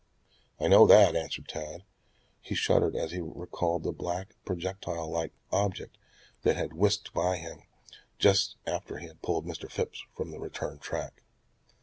"I know that," answered Tad. He shuddered as he recalled the black, projectile like object that had whisked by him just after he had pulled Mr. Phipps from the return track.